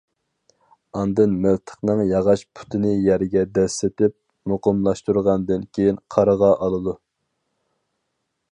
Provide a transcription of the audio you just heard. ئاندىن مىلتىقنىڭ ياغاچ پۇتىنى يەرگە دەسسىتىپ مۇقىملاشتۇرغاندىن كېيىن قارىغا ئالىدۇ.